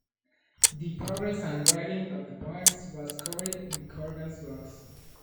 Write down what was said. The progress and writing of the poems was covered in Corgan's blogs.